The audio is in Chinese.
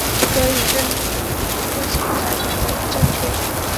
格里利镇区为美国堪萨斯州塞奇威克县辖下的镇区。